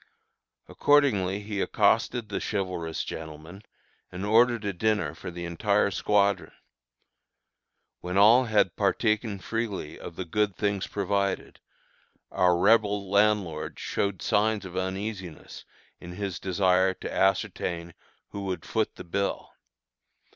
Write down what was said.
Accordingly he accosted the chivalrous gentleman, and ordered a dinner for the entire squadron. When all had partaken freely of the good things provided, our Rebel landlord showed signs of uneasiness in his desire to ascertain who would foot the bill.